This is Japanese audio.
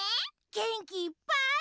げんきいっぱい。